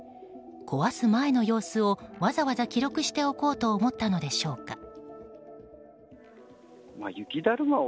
壊す前の様子をわざわざ記録しておこうと思ったのでしょうか。